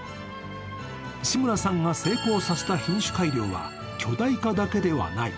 志村さんが成功させた品種改良は巨大化だけではない。